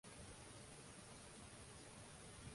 Des del cim, es pot veure el mont Camerun cap al nord-est.